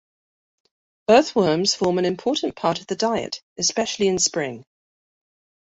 Earthworms form an important part of the diet, especially in spring.